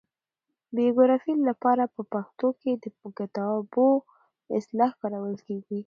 بیبلوګرافي له پاره په پښتو کښي دکتابښود اصطلاح کارول کیږي.